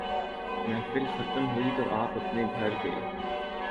محفل ختم ہوئی تو آپ اپنے گھر گئے۔